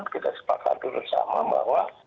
kita sepakat bersama bahwa